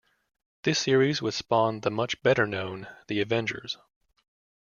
This series would spawn the much better-known "The Avengers".